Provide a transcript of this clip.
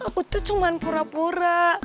aku tuh cuma pura pura